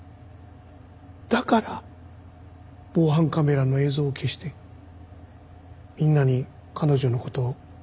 だから防犯カメラの映像を消してみんなに彼女の事を口止めした。